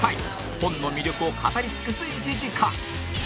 本の魅力を語り尽くす１時間